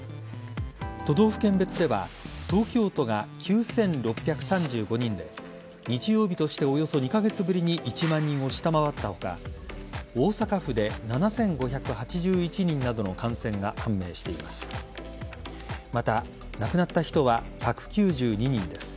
都道府県別では東京都が９６３５人で日曜日としておよそ２カ月ぶりに１万人を下回った他大阪府で７５８１人などの感染が判明しています。